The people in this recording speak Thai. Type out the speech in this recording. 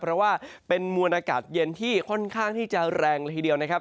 เพราะว่าเป็นมวลอากาศเย็นที่ค่อนข้างที่จะแรงละทีเดียวนะครับ